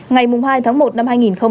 ngày hai tháng một năm hai nghìn hai mươi